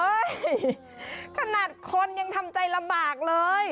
ขนาดคนยังทำใจลำบากเลย